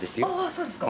そうですか。